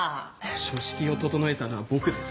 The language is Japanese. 書式を整えたのは僕です。